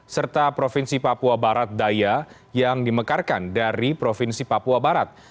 serta provinsi papua barat daya yang dimekarkan dari provinsi papua barat